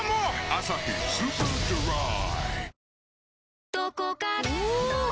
「アサヒスーパードライ」